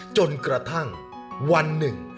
จนกระทั่งวันหนึ่ง